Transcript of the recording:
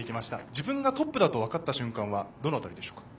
自分がトップだと分かった瞬間はどの辺りですか？